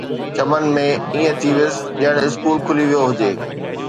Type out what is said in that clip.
چمن ۾ ائين ٿي ويس، ڄڻ اسڪول کلي ويو هجي